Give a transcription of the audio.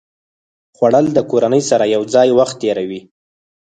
خوړل د کورنۍ سره یو ځای وخت تېروي